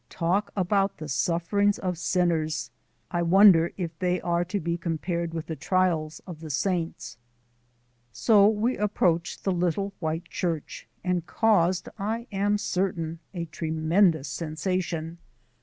Talk about the suffering sinners! I wonder if they are to be compared with the trials of the saints? So we approached the little white church, and caused, I am certain, a tremendous sensation.